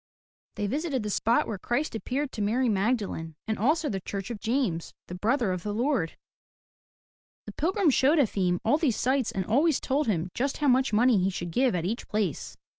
They visited the spot 164 FROM THE TOWER WINDOW where Christ appeared to Mary Magdalene, and also the church of James, the brother of the Lord. The pilgrim showed Efim all these sights and always told him just how much money he should give at each place.